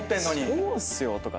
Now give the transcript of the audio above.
そうっすよとか。